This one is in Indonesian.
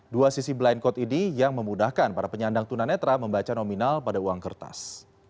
dua sisi blind code ini yang memudahkan para penyandang tunanetra membaca nominal pada uang kertas